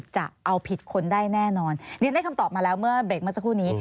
จะเอาผิดคนได้แน่นอนเรียนได้คำตอบมาแล้วเมื่อเบรกเมื่อสักครู่นี้